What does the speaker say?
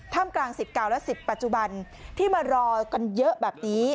ถ้ำกลาง๑๙และ๑๐ปัจจุบันที่มารอกันเยอะแบบนี้